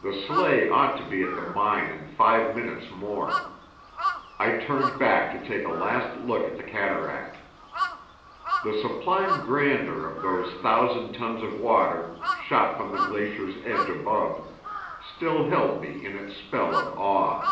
The sleigh ought to be at the mine in five minutes more. I turned back to take a last look at the cataract. The sublime grandeur of those thousand tons of water, shot from the glacier's edge above, still held me in its spell of awe.